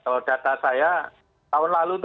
kalau data saya tahun lalu itu